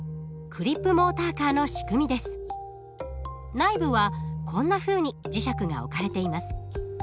内部はこんなふうに磁石が置かれています。